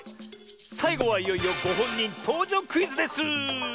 さいごはいよいよごほんにんとうじょうクイズです。